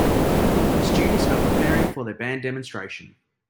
Students are preparing for their band demonstration.